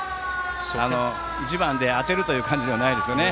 １番で当てるという感じではないですね。